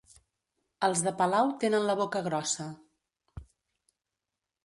Els de Palau tenen la boca grossa.